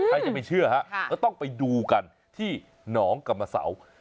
ใครจะไปเชื่อฮะก็ต้องไปดูกันที่หนองกรรมเสา